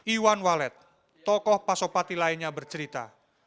iwan walet tokoh pasopati lainnya bercerita